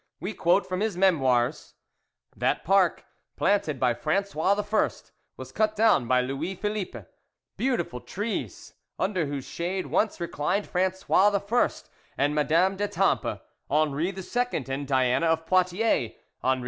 We quote from his Memoirs: "That park, planted by Frangois I., was 2ut down by Louis Philippe. Beautiful trees ! under whose shade once reclined Frangois I. and Madame d'Etarrpes, Henri II. and Diana of Poitiers, Henri IV.